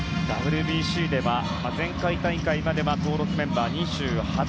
ＷＢＣでは前回大会までは登録メンバー２８人。